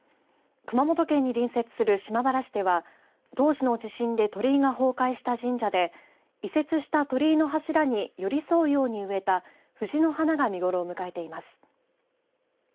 熊本県に隣接する島原市では当時の地震で鳥居が崩壊した神社で移設した鳥居の柱に寄り添うように植えたふじの花が見頃を迎えています。